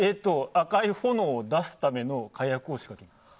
赤い炎を出すための火薬を仕掛けるんです。